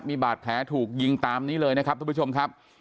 มีบาดแผลถูกยิงตามนี้เลยนะครับทุกผู้ชมครับ